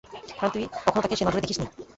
কারণ তুই কখনো তাকে সে নজরে দেখিসনি।